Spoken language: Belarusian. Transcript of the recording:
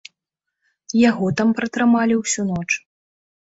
Яго там пратрымалі ўсю ноч.